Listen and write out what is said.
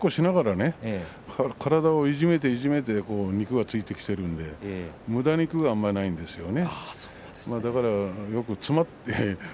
稽古をしながら体をいじめていじめて肉がついてきているのでむだな肉があまりないんですよね。